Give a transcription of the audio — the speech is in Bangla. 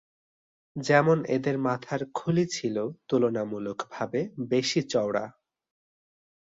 যেমন এদের মাথার খুলি ছিল তুলনামূলকভাবে বেশি চওড়া।